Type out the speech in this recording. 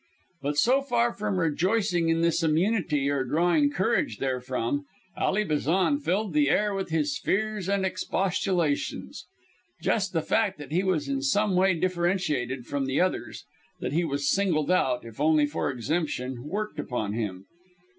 But so far from rejoicing in this immunity or drawing courage therefrom, Ally Bazan filled the air with his fears and expostulations. Just the fact that he was in some way differentiated from the others that he was singled out, if only for exemption worked upon him.